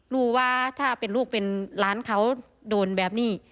รู้ว่าถ้าเป็นลูกเป็นหลานเขาโดนแบบนี้